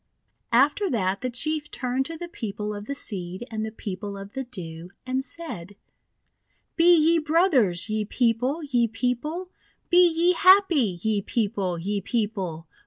After that the Chief turned to the People of the Seed and the People of the Dew, and said: — "Be ye brothers, ye People! ye People! Be ye happy, ye People! ye People!